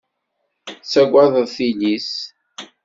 Tettaggad tili-s.